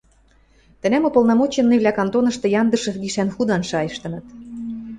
Тӹнӓм уполномоченныйвлӓ кантонышты Яндышев гишӓн худан шайыштыныт